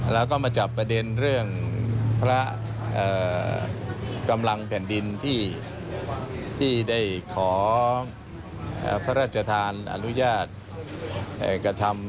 แล้วก็มาจับประเด็นเรื่องพระกำลังแผ่นดินที่ได้ขอพระราชทานอนุญาตกระทำ